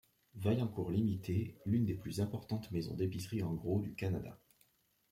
Vaillancourt limitée, l'une des plus importantes maisons d'épicerie en gros du Canada.